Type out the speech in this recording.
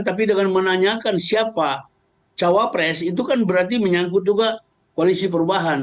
tapi dengan menanyakan siapa cawapres itu kan berarti menyangkut juga koalisi perubahan